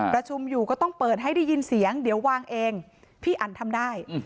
ประชุมอยู่ก็ต้องเปิดให้ได้ยินเสียงเดี๋ยววางเองพี่อันทำได้